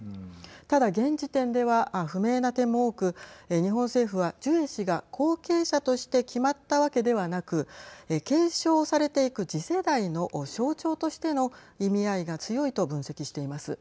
ただ、現時点では不明な点も多く日本政府はジュエ氏が後継者として決まったわけではなく継承されていく次世代の象徴としての意味合いが強いと分析しています。